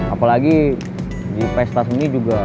apalagi di pesta seni juga